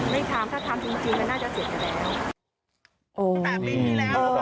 มันไม่ไหวครับมันไม่ทำถ้าทำจริงมันน่าจะเสร็จไปแล้ว